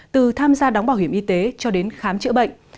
từ tham gia đóng bảo hiểm y tế cho đến khám chữa bệnh